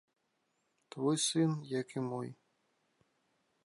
Твой сын, як і мой.